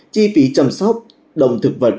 chi phí chăm sóc đồng thực vật